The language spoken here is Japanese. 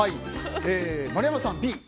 丸山さん、Ｂ。